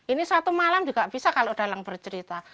ini satu malam juga bisa kalau dalang bercerita